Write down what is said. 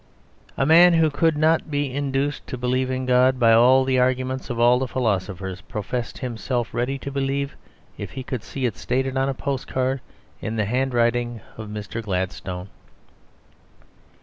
A man, who could not be induced to believe in God by all the arguments of all the philosophers, professed himself ready to believe if he could see it stated on a postcard in the handwriting of Mr. Gladstone.